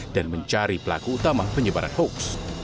dan mencari pelaku utama penyebaran hoax